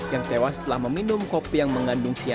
yang tewas setelah meminum kopi yang mengandung cyani